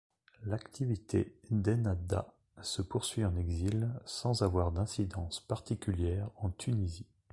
L'activité d'Ennahdha se poursuit en exil sans avoir d'incidence particulière en Tunisie.